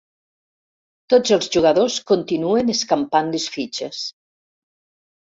Tots els jugadors continuen escampant les fitxes.